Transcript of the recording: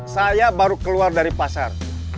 saya baru keluar dari pasar